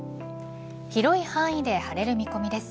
広い範囲で晴れる見込みです。